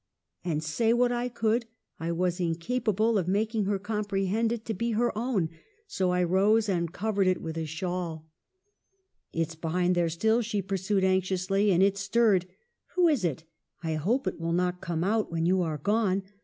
" And say what I could I was incapable of making her comprehend it to be her own ; so I rose and covered it with a shawl. ' WUTHERING HEIGHTS: 257 "' It's behind there still !' she pursued, anx iously, ' and it stirred. Who is it ? I hope it will not come out when you are gone.